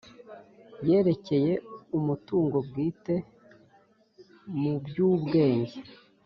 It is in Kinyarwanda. yerekeye umutungo bwite mu by ubwenge